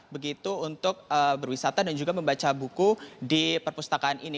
begitu untuk berwisata dan juga membaca buku di perpustakaan ini